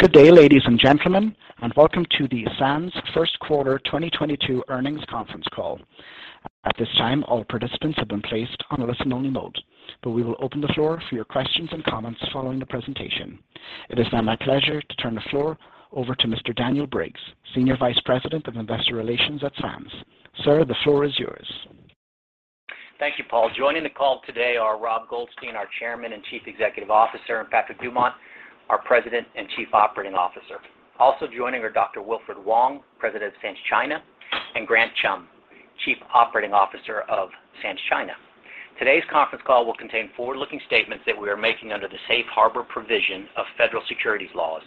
Good day, ladies and gentlemen, and welcome to the Sands First Quarter 2022 Earnings Conference Call. At this time, all participants have been placed on a listen only mode, but we will open the floor for your questions and comments following the presentation. It is now my pleasure to turn the floor over to Mr. Daniel Briggs, Senior Vice President of Investor Relations at Sands. Sir, the floor is yours. Thank you, Paul. Joining the call today are Rob Goldstein, our Chairman and Chief Executive Officer, and Patrick Dumont, our President and Chief Operating Officer. Also joining are Dr. Wilfred Wong, President of Sands China, and Grant Chum, Chief Operating Officer of Sands China. Today's conference call will contain forward-looking statements that we are making under the safe harbor provision of federal securities laws.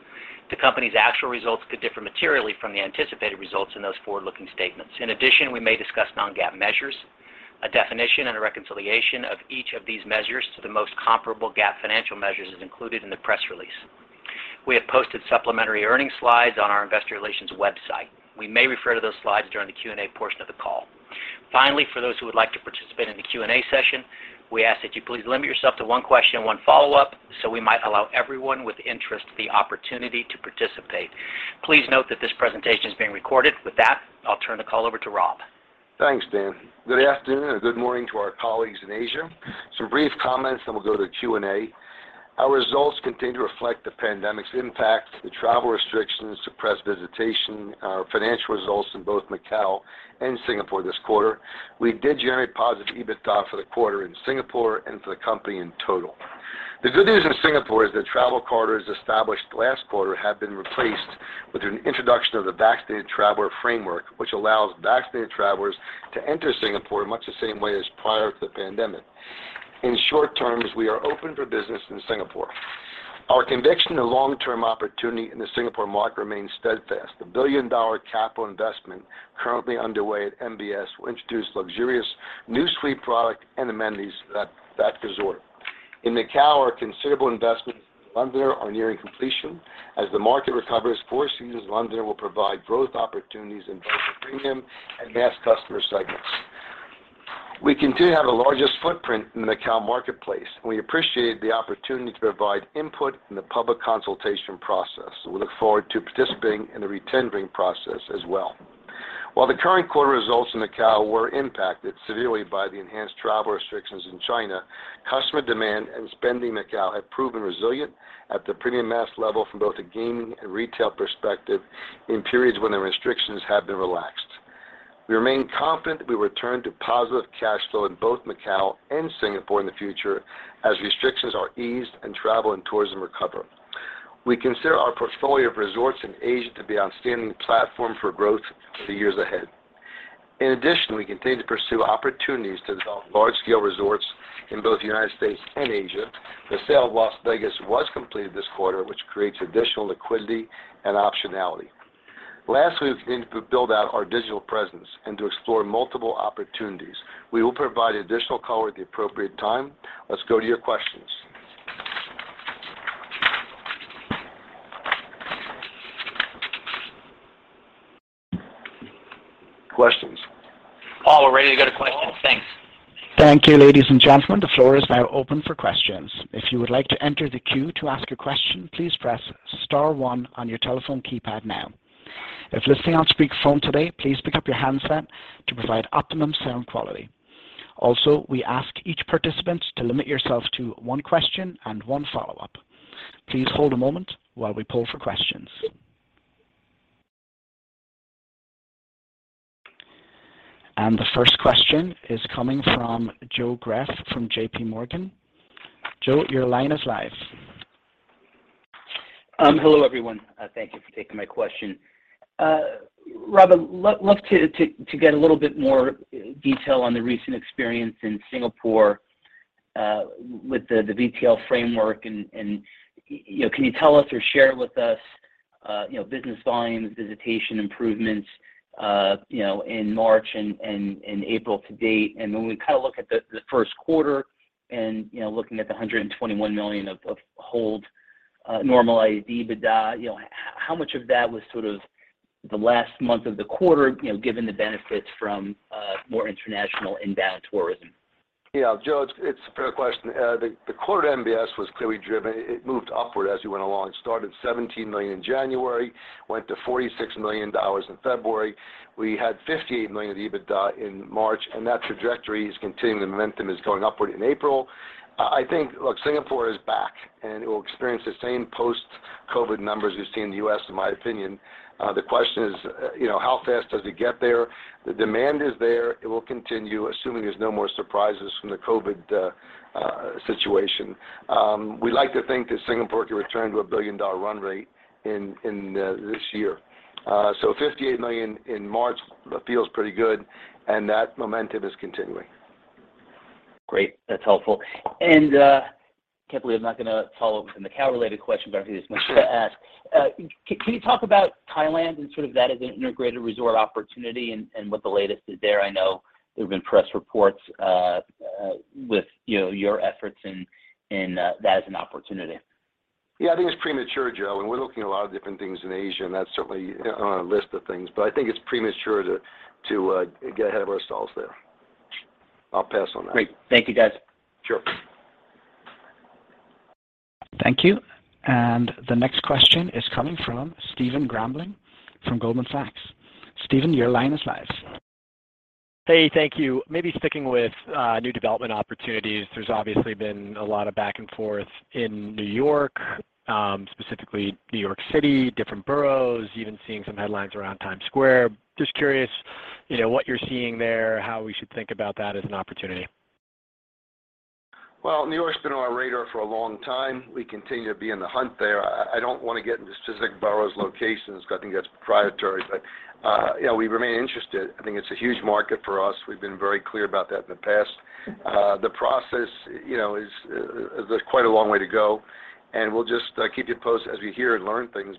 The company's actual results could differ materially from the anticipated results in those forward-looking statements. In addition, we may discuss non-GAAP measures. A definition and a reconciliation of each of these measures to the most comparable GAAP financial measures is included in the press release. We have posted supplementary earnings slides on our investor relations website. We may refer to those slides during the Q&A portion of the call. Finally, for those who would like to participate in the Q&A session, we ask that you please limit yourself to one question and one follow-up, so we might allow everyone with interest the opportunity to participate. Please note that this presentation is being recorded. With that, I'll turn the call over to Rob. Thanks, Dan. Good afternoon and good morning to our colleagues in Asia. Some brief comments, then we'll go to Q&A. Our results continue to reflect the pandemic's impact, the travel restrictions, suppressed visitation, our financial results in both Macao and Singapore this quarter. We did generate positive EBITDA for the quarter in Singapore and for the company in total. The good news in Singapore is that travel corridors established last quarter have been replaced with an introduction of the Vaccinated Travel Framework, which allows vaccinated travelers to enter Singapore in much the same way as prior to the pandemic. In short terms, we are open for business in Singapore. Our conviction in long-term opportunity in the Singapore market remains steadfast. The billion-dollar capital investment currently underway at MBS will introduce luxurious new suite product and amenities at that resort. In Macao, our considerable investments in Londoner are nearing completion. As the market recovers, Four Seasons Londoner will provide growth opportunities in both the premium and mass customer segments. We continue to have the largest footprint in the Macao marketplace, and we appreciate the opportunity to provide input in the public consultation process. We look forward to participating in the retendering process as well. While the current quarter results in Macao were impacted severely by the enhanced travel restrictions in China, customer demand and spending in Macao have proven resilient at the premium mass level from both a gaming and retail perspective in periods when the restrictions have been relaxed. We remain confident that we will return to positive cash flow in both Macao and Singapore in the future as restrictions are eased and travel and tourism recover. We consider our portfolio of resorts in Asia to be a standing platform for growth for the years ahead. In addition, we continue to pursue opportunities to develop large-scale resorts in both the United States and Asia. The sale of Las Vegas was completed this quarter, which creates additional liquidity and optionality. Lastly, we've continued to build out our digital presence and to explore multiple opportunities. We will provide additional color at the appropriate time. Let's go to your questions. Questions? Paul, we're ready to go to questions. Thanks. Thank you, ladies and gentlemen. The floor is now open for questions. If you would like to enter the queue to ask a question, please press star one on your telephone keypad now. If listening on speakerphone today, please pick up your handset to provide optimum sound quality. Also, we ask each participant to limit yourself to one question and one follow-up. Please hold a moment while we poll for questions. The first question is coming from Joe Greff from JPMorgan. Joe, your line is live. Hello, everyone. Thank you for taking my question. Rob, love to get a little bit more detail on the recent experience in Singapore, with the VTL framework, and you know, can you tell us or share with us, you know, business volumes, visitation improvements, you know, in March and April to date? When we kind of look at the first quarter and you know, looking at the $121 million of hold, normalized EBITDA, you know, how much of that was sort of the last month of the quarter, you know, given the benefits from more international inbound tourism? Yeah, Joe, it's a fair question. The quarter MBS was clearly driven. It moved upward as we went along. It started $17 million in January, went to $46 million in February. We had $58 million of EBITDA in March, and that trajectory is continuing. The momentum is going upward in April. I think, look, Singapore is back, and it will experience the same post-COVID numbers we've seen in the U.S., in my opinion. The question is, you know, how fast does it get there? The demand is there. It will continue, assuming there's no more surprises from the COVID situation. We like to think that Singapore can return to a billion-dollar run rate in this year. So $58 million in March feels pretty good, and that momentum is continuing. Great. That's helpful. Can't believe I'm not gonna follow up with a Macao-related question, but I just want to make sure I ask. Can you talk about Thailand and sort of that as an integrated resort opportunity and what the latest is there? I know there have been press reports with, you know, your efforts in that as an opportunity. Yeah, I think it's premature, Joe, and we're looking at a lot of different things in Asia, and that's certainly on a list of things. I think it's premature to get ahead of ourselves there. I'll pass on that. Great. Thank you, guys. Sure. Thank you. The next question is coming from Stephen Grambling from Goldman Sachs. Stephen, your line is live. Hey, thank you. Maybe sticking with new development opportunities. There's obviously been a lot of back and forth in New York, specifically New York City, different boroughs, even seeing some headlines around Times Square. Just curious, you know, what you're seeing there, how we should think about that as an opportunity. Well, New York's been on our radar for a long time. We continue to be in the hunt there. I don't wanna get into specific boroughs, locations, because I think that's proprietary, but you know, we remain interested. I think it's a huge market for us. We've been very clear about that in the past. The process, you know, there's quite a long way to go, and we'll just keep you posted as we hear and learn things.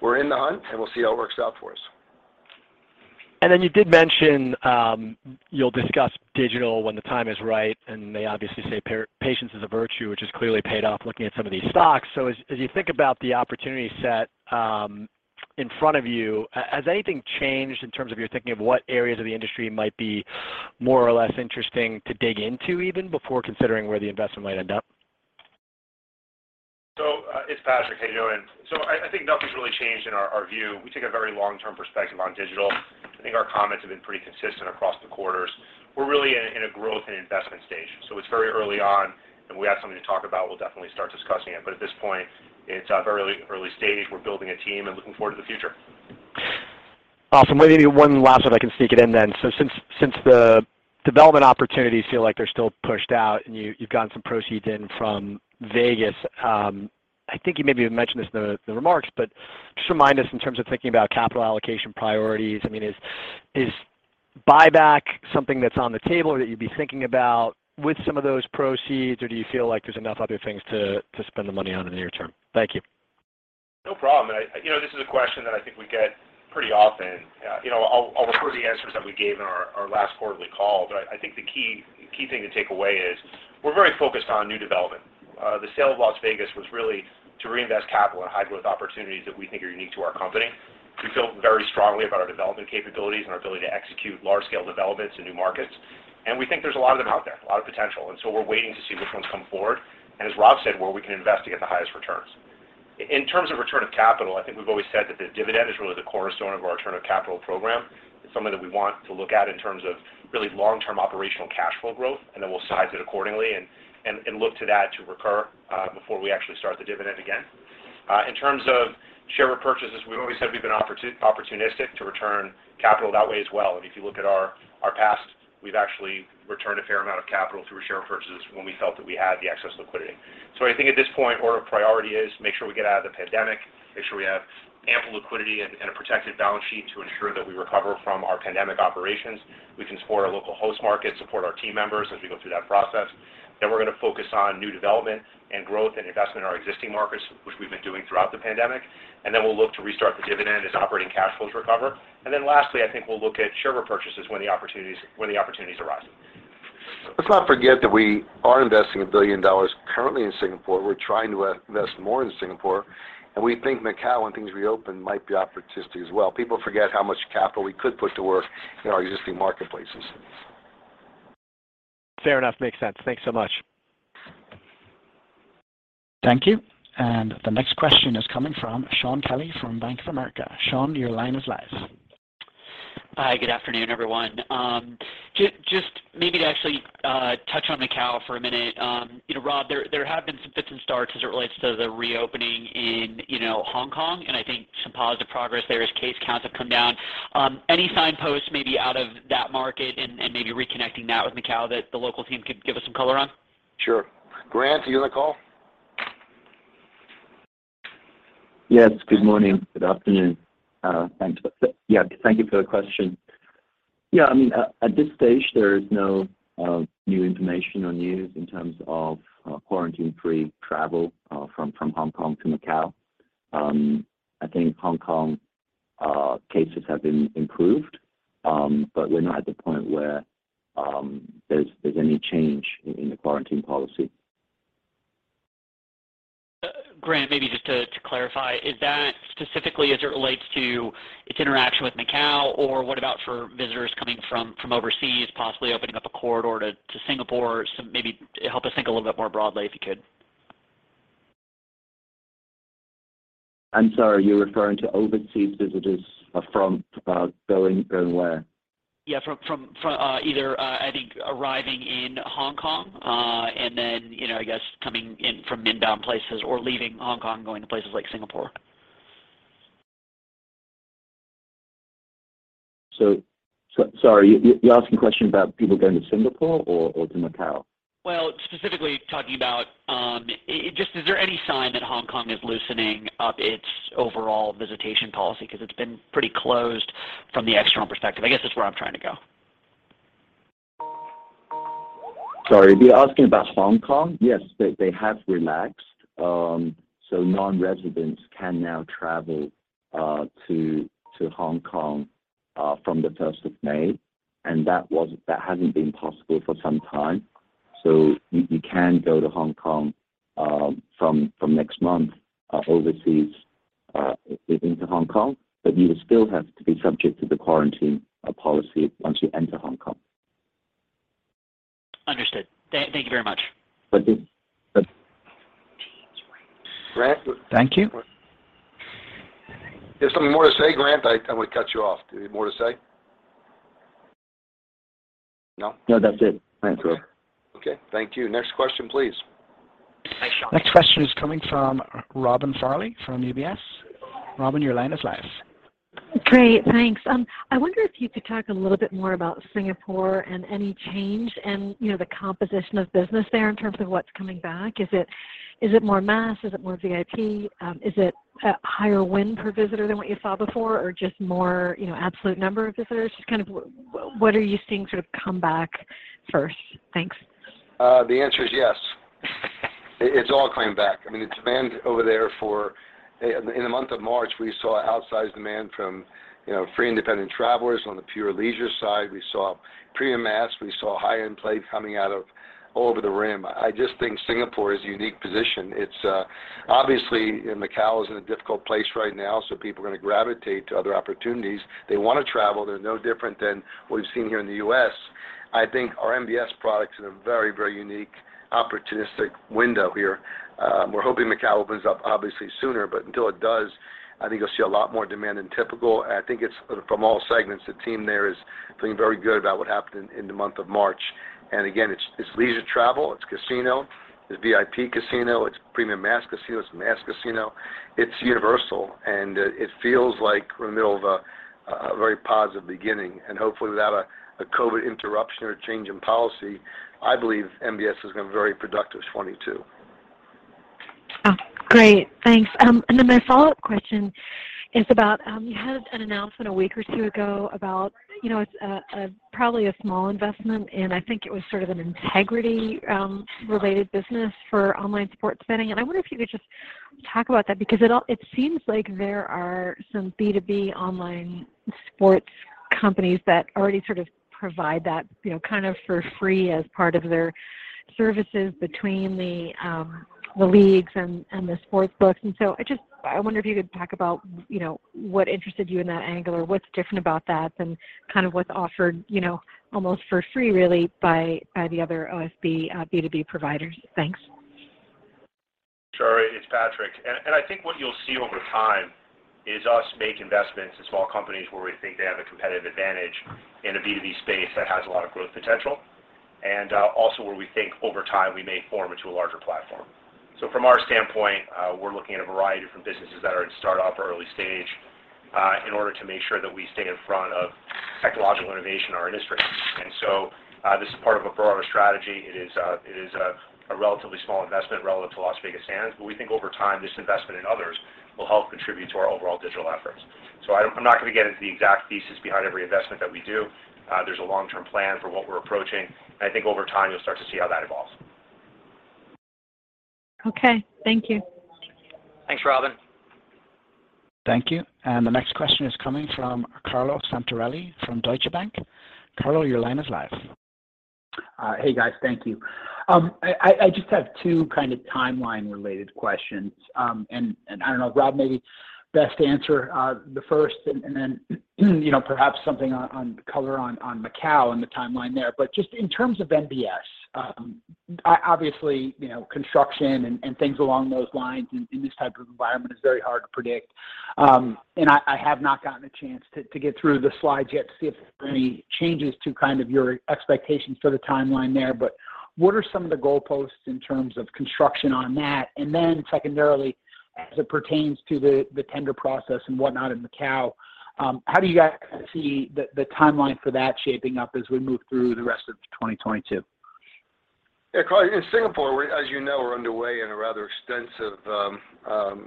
We're in the hunt, and we'll see how it works out for us. You did mention, you'll discuss digital when the time is right, and they obviously say patience is a virtue, which has clearly paid off looking at some of these stocks. As you think about the opportunity set, in front of you, has anything changed in terms of your thinking of what areas of the industry might be more or less interesting to dig into even before considering where the investment might end up? It's Patrick. Hey, Joe. I think nothing's really changed in our view. We take a very long-term perspective on digital. I think our comments have been pretty consistent across the quarters. We're really in a growth and investment stage, so it's very early on, and when we have something to talk about, we'll definitely start discussing it. But at this point, it's very early stage. We're building a team and looking forward to the future. Awesome. Maybe one last one if I can sneak it in then. Since the development opportunities feel like they're still pushed out and you've gotten some proceeds in from Vegas, I think you maybe even mentioned this in the remarks, but just remind us in terms of thinking about capital allocation priorities. I mean, is buyback something that's on the table or that you'd be thinking about with some of those proceeds, or do you feel like there's enough other things to spend the money on in the near term? Thank you. No problem. You know, this is a question that I think we get pretty often. You know, I'll refer to the answers that we gave in our last quarterly call. I think the key thing to take away is we're very focused on new development. The sale of Las Vegas was really to reinvest capital in high-growth opportunities that we think are unique to our company. We feel very strongly about our development capabilities and our ability to execute large-scale developments in new markets, and we think there's a lot of them out there, a lot of potential. We're waiting to see which ones come forward and, as Rob said, where we can invest to get the highest returns. In terms of return of capital, I think we've always said that the dividend is really the cornerstone of our return of capital program. It's something that we want to look at in terms of really long-term operational cash flow growth, and then we'll size it accordingly and look to that to recur before we actually start the dividend again. In terms of share repurchases, we've always said we've been opportunistic to return capital that way as well. If you look at our past, we've actually returned a fair amount of capital through share repurchases when we felt that we had the excess liquidity. I think at this point, our priority is make sure we get out of the pandemic, make sure we have ample liquidity and a protected balance sheet to ensure that we recover from our pandemic operations. We can support our local host market, support our team members as we go through that process. We're gonna focus on new development and growth and investment in our existing markets, which we've been doing throughout the pandemic. We'll look to restart the dividend as operating cash flows recover. Lastly, I think we'll look at share repurchases when the opportunities arise. Let's not forget that we are investing $1 billion currently in Singapore. We're trying to invest more in Singapore, and we think Macau, when things reopen, might be opportunistic as well. People forget how much capital we could put to work in our existing marketplaces. Fair enough. Makes sense. Thanks so much. Thank you. The next question is coming from Shaun Kelley from Bank of America. Shaun, your line is live. Hi, good afternoon, everyone. Just maybe to actually touch on Macau for a minute. You know, Rob, there have been some fits and starts as it relates to the reopening in, you know, Hong Kong, and I think some positive progress there as case counts have come down. Any signposts maybe out of that market and maybe reconnecting that with Macau that the local team could give us some color on? Sure. Grant, are you on the call? Yes. Good morning. Good afternoon. Yeah, thank you for the question. Yeah, I mean, at this stage, there is no new information or news in terms of quarantine-free travel from Hong Kong to Macau. I think Hong Kong cases have been improved, but we're not at the point where there's any change in the quarantine policy. Grant, maybe just to clarify, is that specifically as it relates to its interaction with Macau, or what about for visitors coming from overseas, possibly opening up a corridor to Singapore? Maybe help us think a little bit more broadly, if you could. I'm sorry. Are you referring to overseas visitors from going where? Yeah, from either I think arriving in Hong Kong and then, you know, I guess coming in from inbound places or leaving Hong Kong going to places like Singapore. Sorry, you're asking a question about people going to Singapore or to Macau? Well, specifically talking about, is there any sign that Hong Kong is loosening up its overall visitation policy? Because it's been pretty closed from the external perspective. I guess that's where I'm trying to go. Sorry. You're asking about Hong Kong? Yes, they have relaxed. Non-residents can now travel to Hong Kong from the first of May, and that hasn't been possible for some time. You can go to Hong Kong from next month overseas into Hong Kong, but you will still have to be subject to the quarantine policy once you enter Hong Kong. Understood. Thank you very much. Thank you. Bye. Grant. Thank you. You have something more to say, Grant? I would cut you off. Do you have more to say? No? No, that's it. Thanks, Will. Okay. Thank you. Next question, please. Next question is coming from Robin Farley from UBS. Robin, your line is live. Great. Thanks. I wonder if you could talk a little bit more about Singapore and any change in, you know, the composition of business there in terms of what's coming back. Is it more mass? Is it more VIP? Is it a higher win per visitor than what you saw before or just more, you know, absolute number of visitors? Just kind of what are you seeing sort of come back first? Thanks. The answer is yes. It's all coming back. I mean, the demand over there. In the month of March, we saw outsized demand from, you know, free independent travelers on the pure leisure side. We saw premium mass. We saw high-end play coming out of over the rim. I just think Singapore is a unique position. It's obviously. Macau is in a difficult place right now, so people are gonna gravitate to other opportunities. They wanna travel. They're no different than what we've seen here in the U.S. I think our MBS products are in a very, very unique opportunistic window here. We're hoping Macau opens up obviously sooner, but until it does, I think you'll see a lot more demand than typical, and I think it's from all segments. The team there is feeling very good about what happened in the month of March, and again, it's leisure travel, it's casino, it's VIP casino, it's premium mass casino, it's mass casino. It's universal, and it feels like we're in the middle of a very positive beginning, and hopefully without a COVID interruption or change in policy, I believe MBS is going to have a very productive 2022. Oh, great. Thanks. My follow-up question is about you had an announcement a week or two ago about, you know, it's probably a small investment, and I think it was sort of an integrity related business for online sports betting, and I wonder if you could just talk about that because it seems like there are some B2B online sports companies that already sort of provide that, you know, kind of for free as part of their services between the leagues and the sports books. I wonder if you could talk about, you know, what interested you in that angle or what's different about that than kind of what's offered, you know, almost for free really by the other OSB B2B providers. Thanks. Sure. It's Patrick. I think what you'll see over time is us make investments in small companies where we think they have a competitive advantage in a B2B space that has a lot of growth potential, and also where we think over time we may form into a larger platform. From our standpoint, we're looking at a variety of different businesses that are in start-up or early stage, in order to make sure that we stay in front of technological innovation in our industry. This is part of a broader strategy. It is a relatively small investment relative to Las Vegas Sands, but we think over time, this investment and others will help contribute to our overall digital efforts. I'm not gonna get into the exact thesis behind every investment that we do. There's a long-term plan for what we're approaching, and I think over time you'll start to see how that evolves. Okay. Thank you. Thanks, Robin. Thank you. The next question is coming from Carlo Santarelli from Deutsche Bank. Carlo, your line is live. Hey, guys. Thank you. I just have two kind of timeline related questions. I don't know, Rob may be best to answer the first and then, you know, perhaps something on color on Macau and the timeline there. Just in terms of MBS, obviously, you know, construction and things along those lines in this type of environment is very hard to predict. I have not gotten a chance to get through the slides yet to see if there are any changes to kind of your expectations for the timeline there. What are some of the goalposts in terms of construction on that? Secondarily, as it pertains to the tender process and whatnot in Macau, how do you guys see the timeline for that shaping up as we move through the rest of 2022? Yeah. Carlo, in Singapore, we're, as you know, we're underway in a rather extensive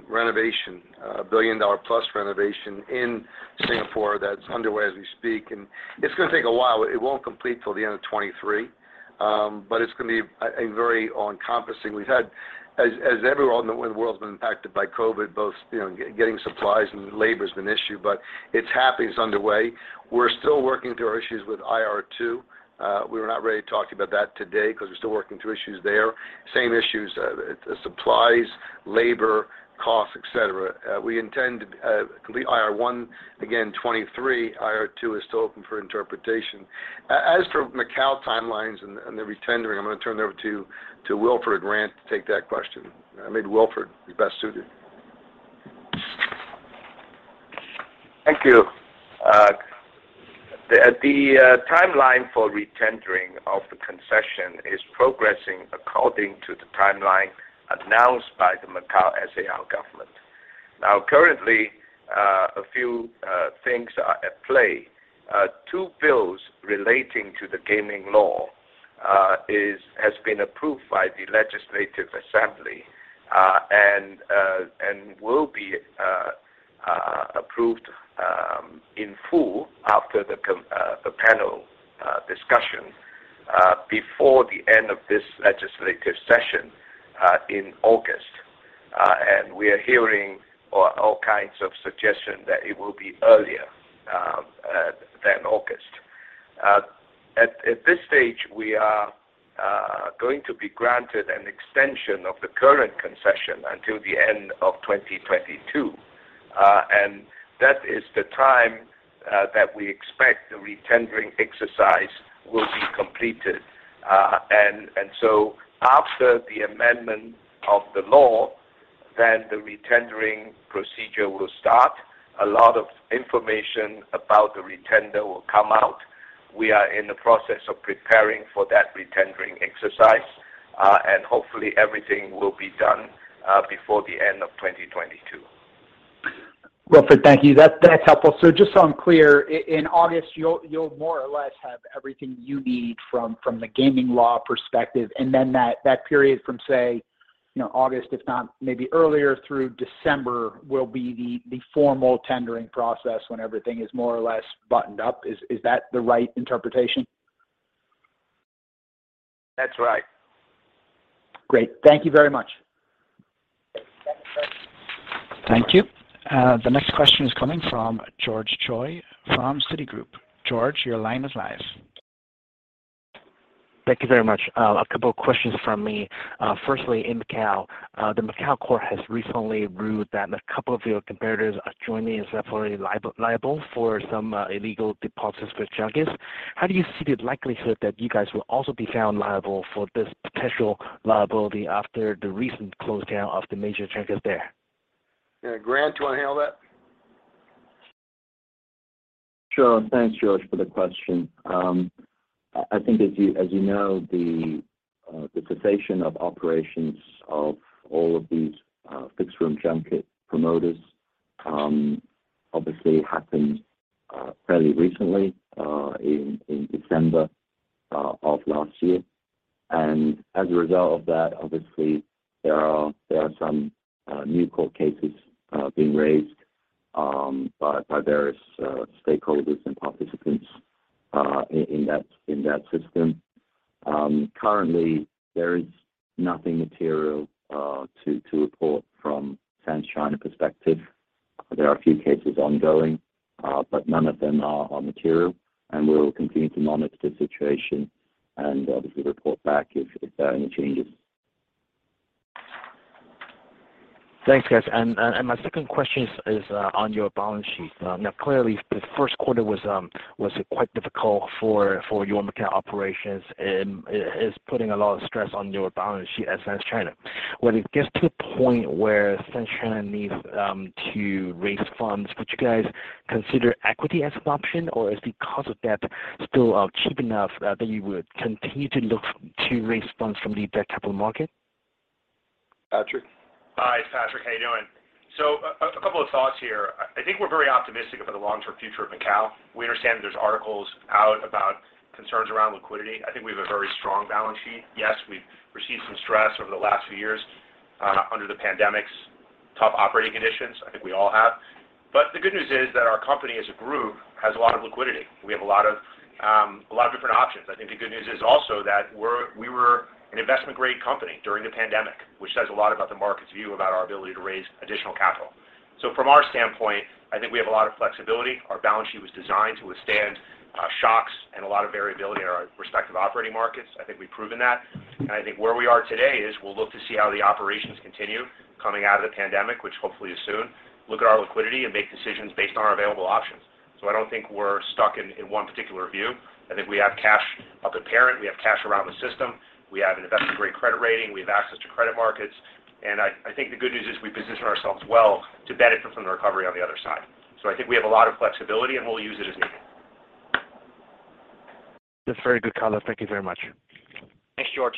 renovation, a billion-dollar plus renovation in Singapore that's underway as we speak, and it's gonna take a while. It won't complete till the end of 2023. It's gonna be a very all-encompassing. We've had, as everyone in the world's been impacted by COVID, both, you know, getting supplies and labor's been an issue, but it's happening. It's underway. We're still working through our issues with IR2. We're not ready to talk about that today because we're still working through issues there. Same issues, supplies, labor, costs, et cetera. We intend to complete IR1, again, 2023. IR2 is still open for interpretation. As for Macau timelines and the retendering, I'm gonna turn it over to Wilfred and Grant to take that question. I mean, Wilfred is best suited. Thank you. The timeline for retendering of the concession is progressing according to the timeline announced by the Macau SAR government. Now, currently, a few things are at play. Two bills relating to the gaming law has been approved by the Legislative Assembly, and will be approved in full after the panel discussion before the end of this legislative session in August. We are hearing all kinds of suggestion that it will be earlier than August. At this stage, we are going to be granted an extension of the current concession until the end of 2022. That is the time that we expect the retendering exercise will be completed. After the amendment of the law, then the retendering procedure will start. A lot of information about the retender will come out. We are in the process of preparing for that retendering exercise, and hopefully everything will be done before the end of 2022. Wilfred, thank you. That's helpful. So just so I'm clear, in August you'll more or less have everything you need from the gaming law perspective, and then that period from say, you know, August if not maybe earlier through December will be the formal tendering process when everything is more or less buttoned up. Is that the right interpretation? That's right. Great. Thank you very much. Thank you. Thank you. The next question is coming from George Choi from Citigroup. George, your line is live. Thank you very much. A couple of questions from me. Firstly, in Macao, the Macao court has recently ruled that a couple of your competitors, jointly and severally liable for some illegal deposits with junkets. How do you see the likelihood that you guys will also be found liable for this potential liability after the recent crackdown of the major junkets there? Yeah, Grant, do you want to handle that? Sure. Thanks, George, for the question. I think as you know, the cessation of operations of all of these fixed room junket promoters obviously happened fairly recently in December of last year. As a result of that, obviously there are some new court cases being raised by various stakeholders and participants in that system. Currently there is nothing material to report from Sands China perspective. There are a few cases ongoing, but none of them are material, and we'll continue to monitor the situation and obviously report back if there are any changes. Thanks, guys. My second question is on your balance sheet. Now, clearly, the first quarter was quite difficult for your Macao operations and is putting a lot of stress on your balance sheet at Sands China. When it gets to a point where Sands China needs to raise funds, would you guys consider equity as an option, or is the cost of debt still cheap enough that you would continue to look to raise funds from the debt capital market? Patrick? Hi, it's Patrick. How you doing? A couple of thoughts here. I think we're very optimistic about the long-term future of Macao. We understand that there's articles out about concerns around liquidity. I think we have a very strong balance sheet. Yes, we've received some stress over the last few years under the pandemic's tough operating conditions. I think we all have. The good news is that our company as a group has a lot of liquidity. We have a lot of different options. I think the good news is also that we were an investment grade company during the pandemic, which says a lot about the market's view about our ability to raise additional capital. From our standpoint, I think we have a lot of flexibility. Our balance sheet was designed to withstand shocks and a lot of variability in our respective operating markets. I think we've proven that. I think where we are today is we'll look to see how the operations continue coming out of the pandemic, which hopefully is soon, look at our liquidity and make decisions based on our available options. I don't think we're stuck in one particular view. I think we have cash up at parent, we have cash around the system, we have an investment-grade credit rating, we have access to credit markets. I think the good news is we position ourselves well to benefit from the recovery on the other side. I think we have a lot of flexibility, and we'll use it as needed. That's very good color. Thank you very much. Thanks, George.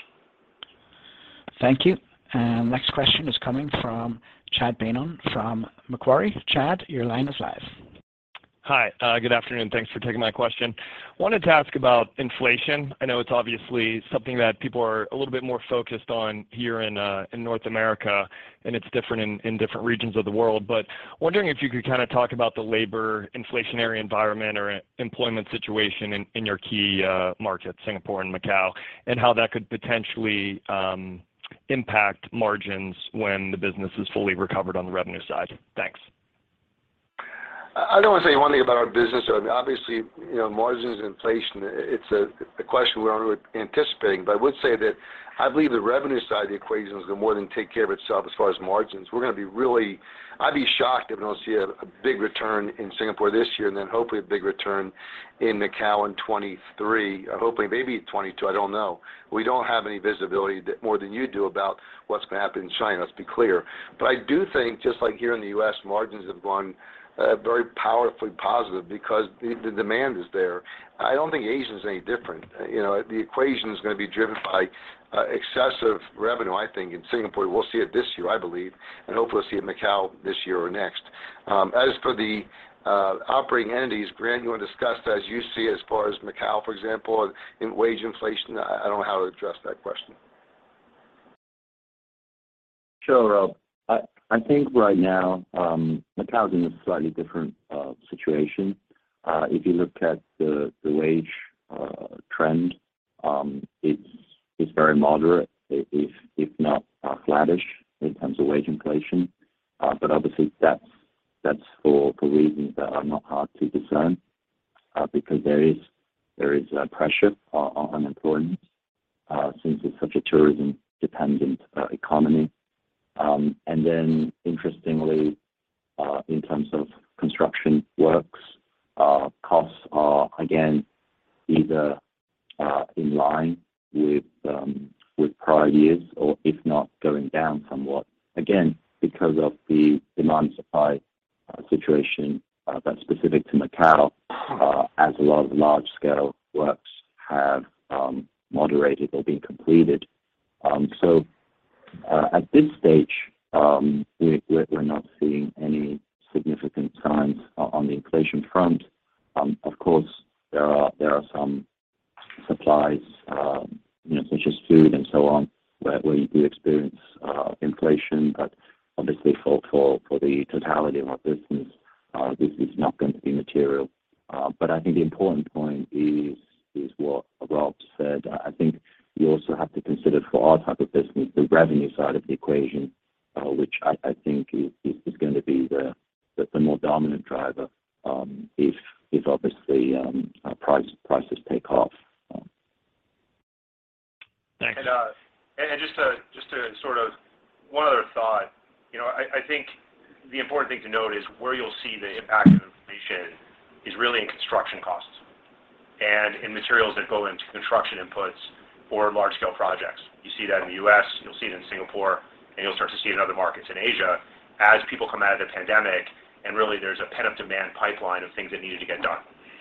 Thank you. Next question is coming from Chad Beynon from Macquarie. Chad, your line is live. Hi. Good afternoon. Thanks for taking my question. Wanted to ask about inflation. I know it's obviously something that people are a little bit more focused on here in North America, and it's different in different regions of the world. Wondering if you could kind of talk about the labor inflationary environment or employment situation in your key markets, Singapore and Macao, and how that could potentially impact margins when the business is fully recovered on the revenue side. Thanks. I don't want to say the only thing about our business. I mean, obviously, you know, margins and inflation, it's a question we're anticipating. I would say that I believe the revenue side of the equation is gonna more than take care of itself as far as margins. We're gonna be really. I'd be shocked if we don't see a big return in Singapore this year and then hopefully a big return in Macao in 2023, hopefully maybe 2022. I don't know. We don't have any visibility more than you do about what's gonna happen in China, let's be clear. I do think, just like here in the U.S., margins have gone very powerfully positive because the demand is there. I don't think Asia is any different. You know, the equation is gonna be driven by excessive revenue, I think, in Singapore. We'll see it this year, I believe, and hopefully we'll see it in Macao this year or next. As for the operating entities, Grant, you want to discuss that as you see as far as Macao, for example, in wage inflation? I don't know how to address that question. Sure, Rob. I think right now, Macau is in a slightly different situation. If you look at the wage trend, it's very moderate, if not flattish in terms of wage inflation. Obviously, that's for reasons that are not hard to discern, because there is pressure on employment, since it's such a tourism-dependent economy. Interestingly, in terms of construction works, costs are again either in line with prior years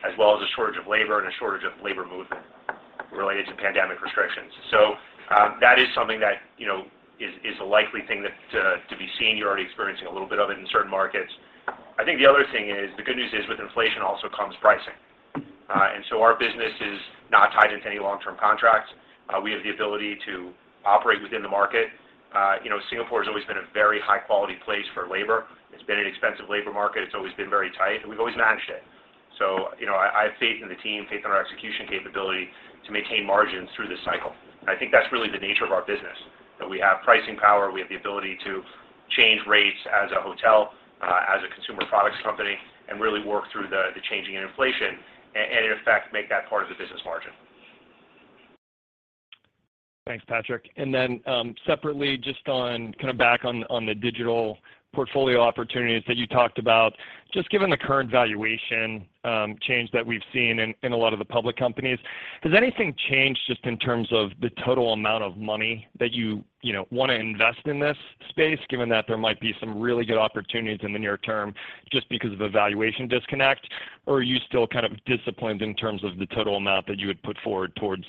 as well as a shortage of labor and a shortage of labor movement related to pandemic restrictions. That is something that, you know, is a likely thing to be seen. You're already experiencing a little bit of it in certain markets. I think the other thing is, the good news is with inflation also comes pricing. Our business is not tied into any long-term contracts. We have the ability to operate within the market. You know, Singapore has always been a very high quality place for labor. It's been an expensive labor market. It's always been very tight, and we've always managed it. You know, I have faith in the team, faith in our execution capability to maintain margins through this cycle. I think that's really the nature of our business, that we have pricing power, we have the ability to change rates as a hotel, as a consumer products company, and really work through the changing in inflation and in effect, make that part of the business margin. Thanks, Patrick. Separately, just on the digital portfolio opportunities that you talked about, just given the current valuation change that we've seen in a lot of the public companies, has anything changed just in terms of the total amount of money that you know wanna invest in this space, given that there might be some really good opportunities in the near term just because of a valuation disconnect? Or are you still kind of disciplined in terms of the total amount that you would put forward towards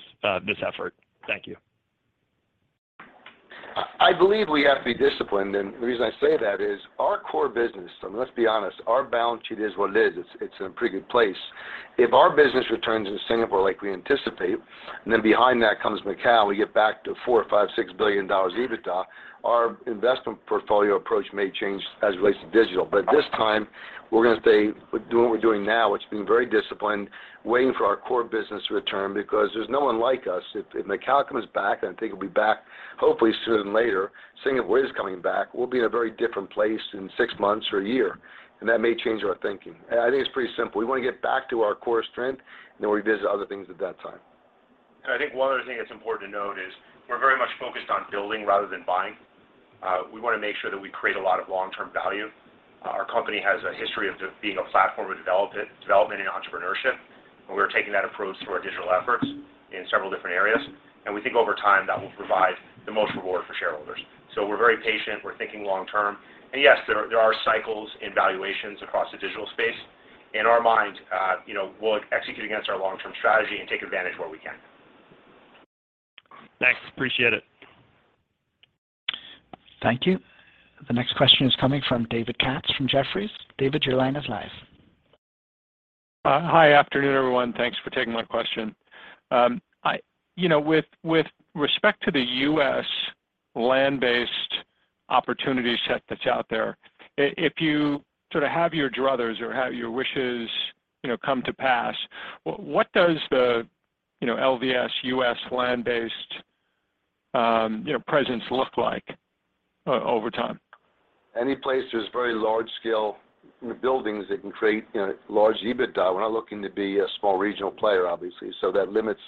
this effort? Thank you. I believe we have to be disciplined. The reason I say that is our core business, and let's be honest, our balance sheet is what it is. It's in a pretty good place. If our business returns in Singapore like we anticipate, and then behind that comes Macau, we get back to $4-$6 billion EBITDA, our investment portfolio approach may change as it relates to digital. But at this time, we're gonna stay with doing what we're doing now, which is being very disciplined, waiting for our core business to return because there's no one like us. If Macau comes back, and I think it'll be back hopefully sooner than later, Singapore is coming back, we'll be in a very different place in six months or a year, and that may change our thinking. I think it's pretty simple. We wanna get back to our core strength, and then we visit other things at that time. I think one other thing that's important to note is we're very much focused on building rather than buying. We wanna make sure that we create a lot of long-term value. Our company has a history of just being a platform of development and entrepreneurship, and we're taking that approach through our digital efforts in several different areas. We think over time, that will provide the most reward for shareholders. We're very patient. We're thinking long term. Yes, there are cycles in valuations across the digital space. In our mind, you know, we're executing against our long-term strategy and take advantage where we can. Thanks. Appreciate it. Thank you. The next question is coming from David Katz from Jefferies. David, your line is live. Hi. Afternoon, everyone. Thanks for taking my question. You know, with respect to the U.S. land-based opportunity set that's out there, if you sort of have your druthers or have your wishes, you know, come to pass, what does the, you know, LVS U.S. land-based, you know, presence look like over time? Any place there's very large scale buildings that can create, you know, large EBITDA. We're not looking to be a small regional player, obviously. That limits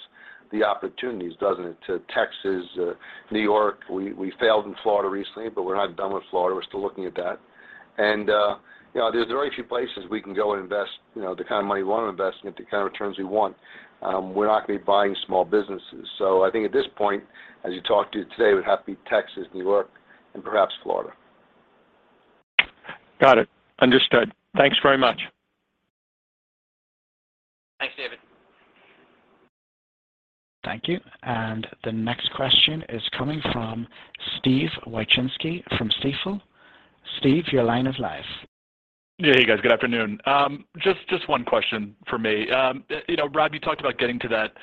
the opportunities, doesn't it, to Texas, New York. We failed in Florida recently, but we're not done with Florida. We're still looking at that. You know, there's very few places we can go and invest, you know, the kind of money we want to invest and get the kind of returns we want. We're not gonna be buying small businesses. I think at this point, as you talked to today, it would have to be Texas, New York, and perhaps Florida. Got it. Understood. Thanks very much. Thanks, David. Thank you. The next question is coming from Steven Wieczynski from Stifel. Steve, your line is live. Yeah. Hey, guys. Good afternoon. Just one question from me. You know, Rob, you talked about getting to that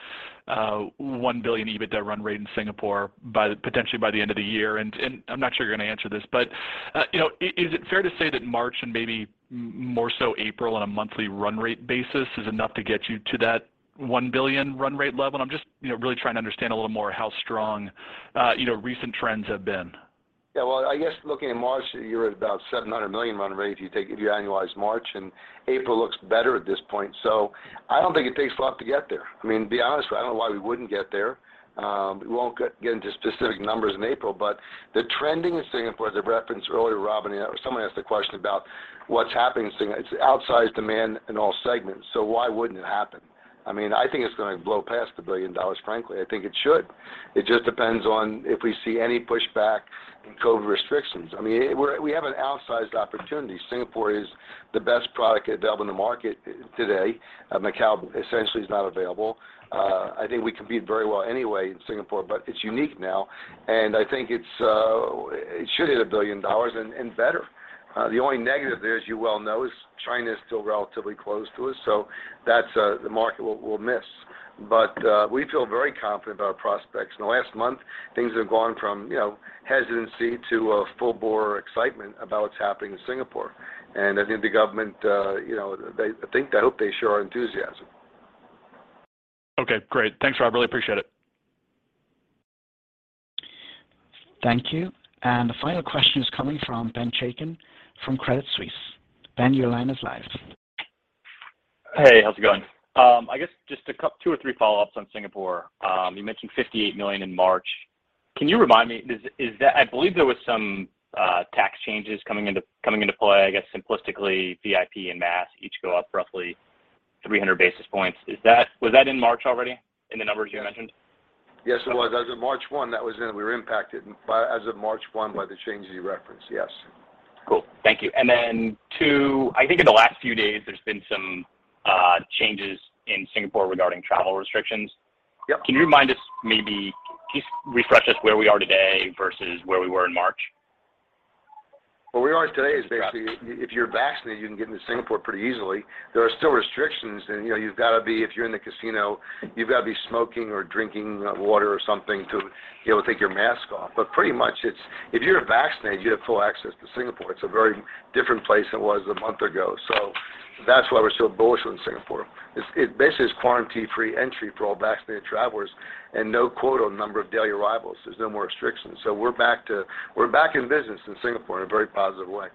$1 billion EBITDA run rate in Singapore by the end of the year. I'm not sure you're gonna answer this, but you know, is it fair to say that March and maybe more so April on a monthly run rate basis is enough to get you to that $1 billion run rate level? I'm just you know, really trying to understand a little more how strong you know, recent trends have been. Yeah, well, I guess looking at March, you're at about $700 million run rate if you annualize March, and April looks better at this point. I don't think it takes a lot to get there. I mean, to be honest, I don't know why we wouldn't get there. We won't get into specific numbers in April, but the trending in Singapore, as I referenced earlier, Robin, someone asked a question about what's happening in Singapore. It's outsized demand in all segments, so why wouldn't it happen? I mean, I think it's gonna blow past the $1 billion, frankly. I think it should. It just depends on if we see any pushback in COVID restrictions. I mean, we have an outsized opportunity. Singapore is the best product available in the market today. Macau essentially is not available. I think we compete very well anyway in Singapore, but it's unique now, and I think it should hit $1 billion and better. The only negative there, as you well know, is China is still relatively closed to us, so that's the market we'll miss. We feel very confident about our prospects. In the last month, things have gone from, you know, hesitancy to full-bore excitement about what's happening in Singapore. I think the government, you know, I hope they share our enthusiasm. Okay, great. Thanks, Rob. Really appreciate it. Thank you. The final question is coming from Benjamin Chaiken from Credit Suisse. Ben, your line is live. Hey, how's it going? I guess just two or three follow-ups on Singapore. You mentioned $58 million in March. Can you remind me, is that I believe there was some tax changes coming into play. I guess simplistically, VIP and mass each go up roughly 300 basis points. Was that in March already in the numbers you mentioned? Yes, it was. As of March one, we were impacted by, as of March one, by the changes you referenced, yes. Cool. Thank you. Then two, I think in the last few days, there's been some changes in Singapore regarding travel restrictions. Yep. Can you remind us maybe, please refresh us where we are today versus where we were in March? Where we are today is basically if you're vaccinated, you can get into Singapore pretty easily. There are still restrictions and, you know, you've got to be, if you're in the casino, you've got to be smoking or drinking water or something to be able to take your mask off. But pretty much it's if you're vaccinated, you have full access to Singapore. It's a very different place than it was a month ago. That's why we're so bullish on Singapore. It basically is quarantine-free entry for all vaccinated travelers and no quota on number of daily arrivals. There's no more restrictions. We're back in business in Singapore in a very positive way.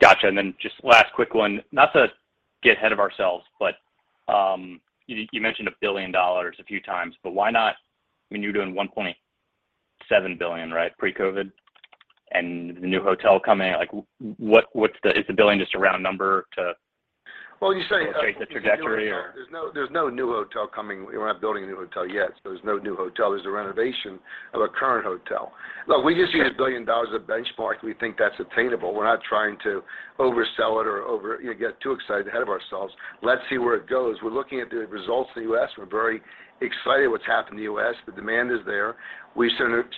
Gotcha. Just last quick one. Not to get ahead of ourselves, but you mentioned $1 billion a few times, but why not, I mean, you're doing $1.7 billion, right, pre-COVID? The new hotel coming, what's the. Is the $1 billion just a round number to Well, you say. Illustrate the trajectory or? There's no new hotel coming. We're not building a new hotel yet. There's no new hotel. There's a renovation of a current hotel. Look, we just use $1 billion as a benchmark. We think that's attainable. We're not trying to oversell it or over, you know, get too excited ahead of ourselves. Let's see where it goes. We're looking at the results in the U.S. We're very excited what's happened in the U.S. The demand is there. We've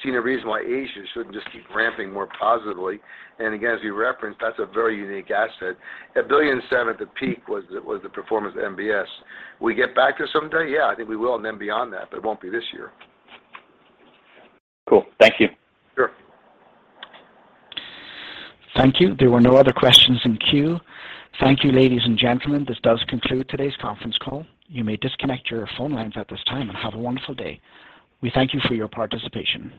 seen a reason why Asia shouldn't just keep ramping more positively. Again, as we referenced, that's a very unique asset. $1.7 billion at the peak was the performance of MBS. Will we get back there someday? Yeah, I think we will and then beyond that, but it won't be this year. Cool. Thank you. Sure. Thank you. There were no other questions in queue. Thank you, ladies and gentlemen. This does conclude today's conference call. You may disconnect your phone lines at this time and have a wonderful day. We thank you for your participation.